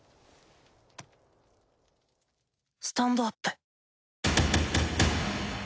スタンドアップ。